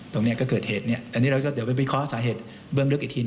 ตรงนี้ก็เกิดเหตุอันนี้เราจะไปวิเคราะห์สาเหตุเบื้องลึกอีกที